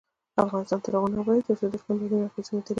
افغانستان تر هغو نه ابادیږي، ترڅو د اقلیم بدلون اغیزې مدیریت نشي.